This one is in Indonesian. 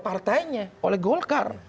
partainya oleh golkar